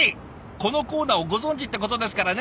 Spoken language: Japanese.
このコーナーをご存じってことですからね。